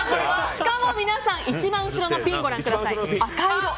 しかも皆さん一番後ろのピンをご覧ください。